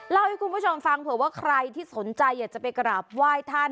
เล่าให้คุณผู้ชมฟังเผื่อว่าใครที่สนใจอยากจะไปกราบไหว้ท่าน